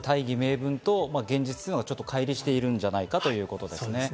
大義名分と現実はかい離しているんじゃないかということですね。